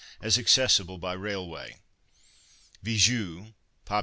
as accessible by railway:— VIZEU (pop.